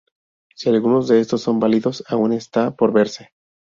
Si algunos de estos son válidos, aún está por verse.